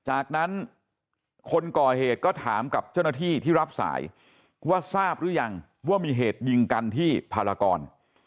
จากนั้นคนก่อเหตุก็ถามกับเจ้าหน้าที่ที่รับสายว่าทราบหรือยังว่ามีเหตุยิงกันที่พารากร